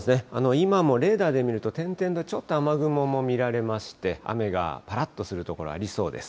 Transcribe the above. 今もレーダーで見ると、点々と、ちょっと雨雲も見られまして、雨がぱらっとする所ありそうです。